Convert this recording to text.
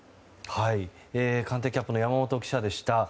官邸キャップの山本記者でした。